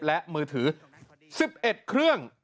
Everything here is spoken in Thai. และมือถือ๑๑เครื่อง